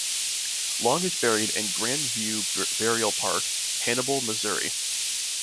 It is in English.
Long is buried in Grand View Burial Park, Hannibal, Missouri.